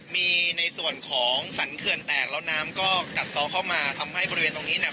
มีในส่วนของสรรเขื่อนแตกแล้วน้ำก็กัดซ้อเข้ามาทำให้บริเวณตรงนี้เนี่ย